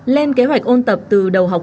lên kế hoạch ôn tập từ đầu học